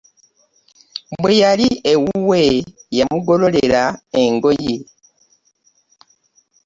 Bweyali ewuwwe yamugololera engoye .